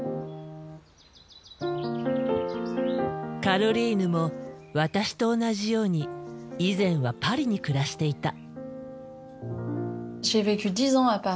カロリーヌも私と同じように以前はパリに暮らしていた。